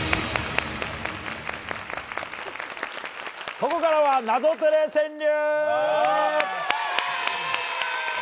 ここからは「ナゾトレ川柳」！